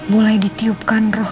mulai ditiupkan roh